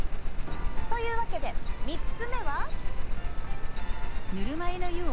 というわけで３つ目は。